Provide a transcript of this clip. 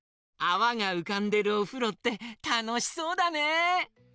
あわがうかんでるおふろってたのしそうだね！